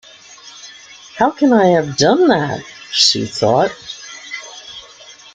‘How can I have done that?’ she thought.